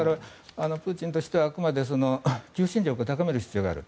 プーチンとしては、あくまで求心力を高める必要がある。